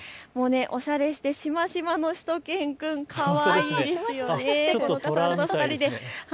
おしゃれしてしましまのしゅと犬くんくん、かわいいですね。